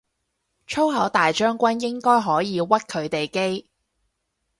粗口大將軍應該可以屈佢哋機